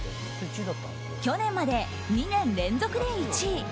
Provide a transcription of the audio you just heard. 去年まで２年連続で１位。